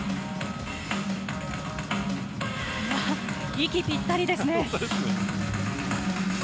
息ぴったりですね！